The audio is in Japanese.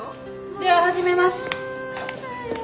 では始めます。